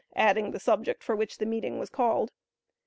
adding the subject for which the meeting was called.